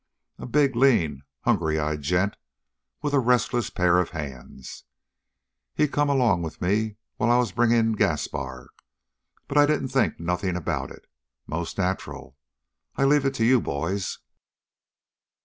"A big, lean, hungry eyed gent, with a restless pair of hands. He come along with me while I was bringing Gaspar, but I didn't think nothing about it, most nacheral. I leave it to you, boys!"